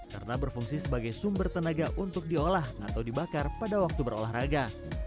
karena berfungsi sebagai sumber tenaga untuk diolah atau dibakar pada waktu berolahraga